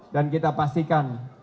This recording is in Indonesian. dan kita pastikan